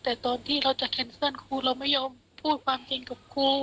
แต่ตอนที่เราจะแคนเซิลครูเราไม่ยอมพูดความจริงกับครู